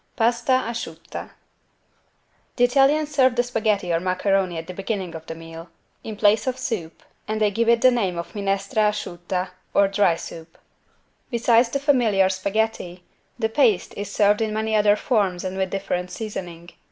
(Pasta Asciutta) The Italians serve the spaghetti or macaroni at the beginning of the meal, in place of soup, and they give it the name of =Minestra Asciutta= or "dry" soup. Besides the familiar spaghetti, the paste is served in many other forms and with different seasoning.